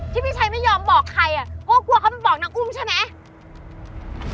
ที่พี่ชัยไม่ยอมบอกใครก็เปลือกับเขามาบอกน้ะอุ้มใช่ไหม